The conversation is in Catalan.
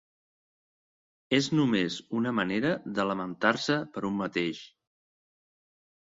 És només una manera de lamentar-se per un mateix.